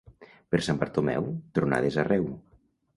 Per Sant Bartomeu, tronades arreu.